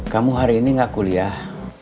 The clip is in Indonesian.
kamu hari ini gak kuliah